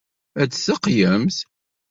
Ad d-teqqlemt?